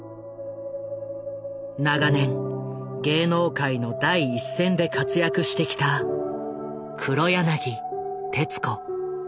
長年芸能界の第一線で活躍してきた黒柳徹子。